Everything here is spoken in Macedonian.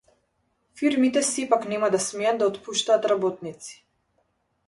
Фирмите сепак нема да смеат да отпуштаат работници